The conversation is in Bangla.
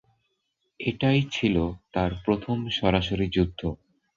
এটাই ছিল তার প্রথম সরাসরি যুদ্ধ।